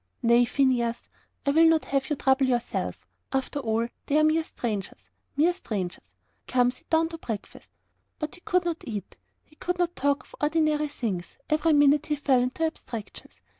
"Nay, Phineas, I will not have you trouble yourself. And after all, they are mere strangers mere strangers. Come, sit down to breakfast." But he could not eat. He could not talk of ordinary things. Every minute he fell into abstractions.